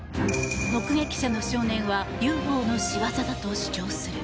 目撃者の少年はＵＦＯの仕業だと主張する。